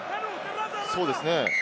そうですね。